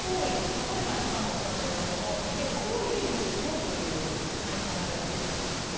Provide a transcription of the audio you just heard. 例えば、今おっしゃったような行為で見ていこうという考えが出てきていますが。